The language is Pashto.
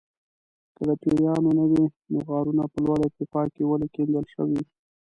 که د پیریانو نه وي نو غارونه په لوړه ارتفاع کې ولې کیندل شوي.